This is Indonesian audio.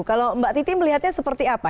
kalau mbak titi melihatnya seperti apa